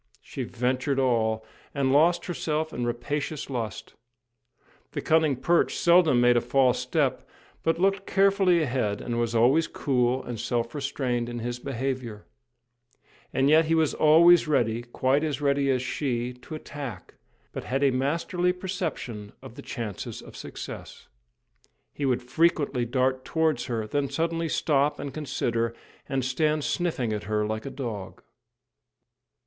She ventured all, and lost herself in rapacious lust. The cunning perch seldom made a false step, but looked carefully ahead, and was always cool and self restrained in his behaviour; and yet he was always ready quite as ready as she to attack, but had a masterly perception of the chances of success. He would frequently dart towards her, then suddenly stop and consider, and stand sniffing at her like a dog.